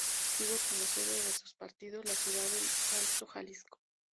Tuvo como sede de sus partidos la ciudad de El Salto, Jalisco.